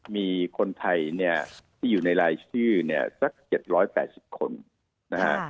มีคนไทยเนี่ยที่อยู่ในรายชื่อเนี่ยสัก๗๘๐คนนะฮะ